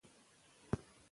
ریښتینولي غوره عادت دی.